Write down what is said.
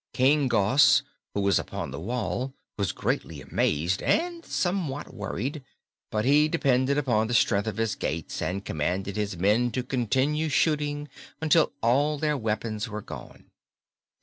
King Gos, who was upon the wall, was greatly amazed and somewhat worried, but he depended upon the strength of his gates and commanded his men to continue shooting until all their weapons were gone.